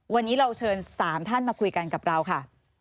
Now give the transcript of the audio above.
วันนี้เราเชิญ๓ท่านมาคุยกันกับเราค่ะ